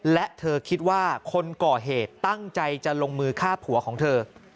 และเธอคิดว่าคนก่อเหตุตั้งใจจะลงมือฆ่าผัวของเธอ